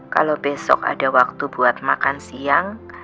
kalau besok ada waktu buat makan siang